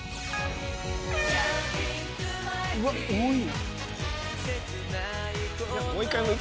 うわっ多い！